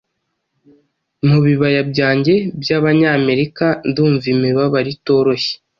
Mubibaya byanjye byabanyamerika ndumva imibabaro itoroshye